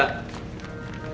nih bu buat uang belanja